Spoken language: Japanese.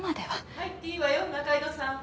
入っていいわよ仲井戸さん。